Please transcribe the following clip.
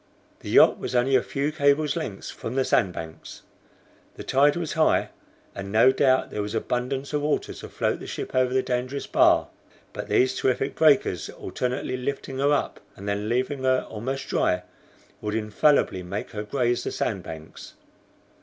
The yacht was only a few cables' lengths from the sandbanks. The tide was high, and no doubt there was abundance of water to float the ship over the dangerous bar; but these terrific breakers alternately lifting her up and then leaving her almost dry, would infallibly make her graze the sand banks.